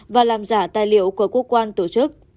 và làm giả tài liệu của cơ quan tổ chức